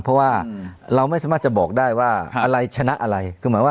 เพราะว่าเราไม่สามารถจะบอกได้ว่าอะไรชนะอะไร